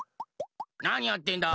なにやってんだ？